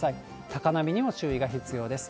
高波にも注意が必要です。